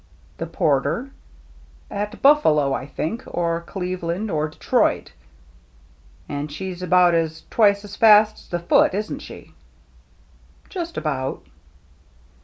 "The Porter? At Buffalo, I think, — or Cleveland, or Detroit." " And she's about twice as fast as the Foote^ isn't she ?" "Just about."